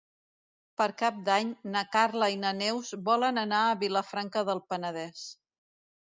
Per Cap d'Any na Carla i na Neus volen anar a Vilafranca del Penedès.